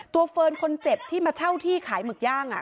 เฟิร์นคนเจ็บที่มาเช่าที่ขายหมึกย่าง